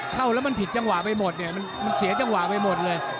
เข้าแล้วมันผิดจังหวะไปหมดเนี่ยมันเสียจังหวะไปหมดเลย